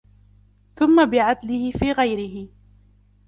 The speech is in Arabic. ثُمَّ بِعَدْلِهِ فِي غَيْرِهِ